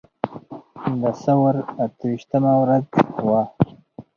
د ثور اته ویشتمه ورځ وه.